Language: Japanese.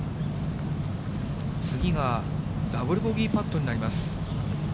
次がダブルボギーパットになります。